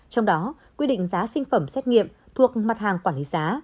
trong đó quy định giá sinh phẩm xét nghiệm thuộc mặt hàng quản lý giá